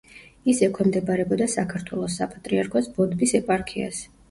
ის ექვემდებარებოდა საქართველოს საპატრიარქოს ბოდბის ეპარქიას.